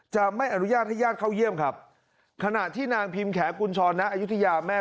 จะไม่อนุญาตให้ญาติเข้าเยี่ยมครับขณะที่นางพิมพ์แขกุญชรณอายุทยาแม่